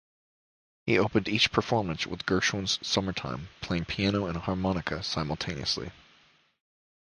He opened each performance with Gershwin's "Summertime", playing piano and harmonica simultaneously.